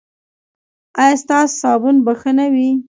ایا ستاسو صابون به ښه نه وي؟